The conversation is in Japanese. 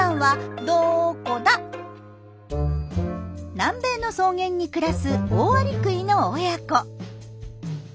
南米の草原に暮らすオオアリクイの親子。